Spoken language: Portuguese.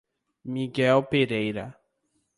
Miguel Pereira